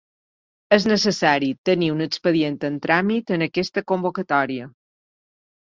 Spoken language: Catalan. És necessari tenir un expedient en tràmit en aquesta convocatòria.